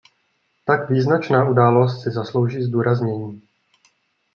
Tak význačná událost si zaslouží zdůraznění.